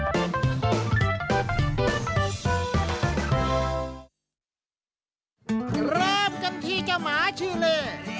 เริ่มกันที่เจ้าหมาชื่อเล่